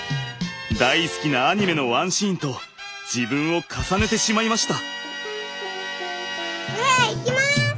大好きなアニメのワンシーンと自分を重ねてしまいました。